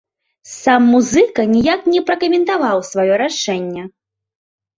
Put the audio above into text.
Сам музыка ніяк не пракаментаваў сваё рашэнне.